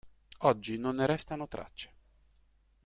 Oggi non ne restano tracce.